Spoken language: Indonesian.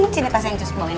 sini pasang jus moin